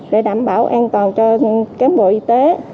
để đảm bảo an toàn cho cán bộ y tế